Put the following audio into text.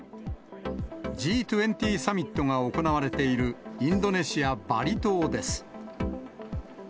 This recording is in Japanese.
Ｇ２０サミットが行われているインドネシア・バリ島です。